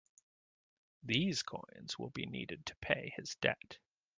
These coins will be needed to pay his debt.